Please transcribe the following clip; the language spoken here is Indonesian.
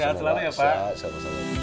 sehat selalu ya pak